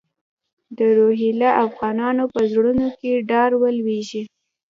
د روهیله افغانانو په زړونو کې ډار ولوېږي.